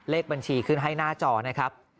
เลขบัญชีขึ้นให้หน้าจอนะครับ